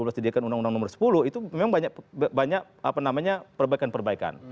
didiakan undang undang nomor sepuluh itu memang banyak perbaikan perbaikan